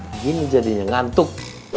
begini jadinya ngantuk